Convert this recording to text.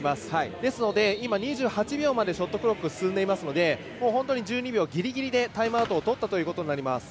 ですので、今２８秒までショットクロック進んでいますので本当に１２秒ギリギリでタイムアウトをとったということになります。